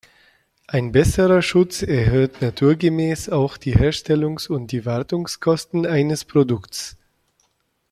Ein besserer Schutz erhöht naturgemäß auch die Herstellungs- und die Wartungskosten eines Produkts.